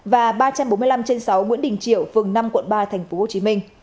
và ba trăm bốn mươi năm trên sáu nguyễn đình triều phường năm quận ba tp hcm